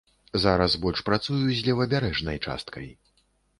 Зараз больш працую з левабярэжнай часткай.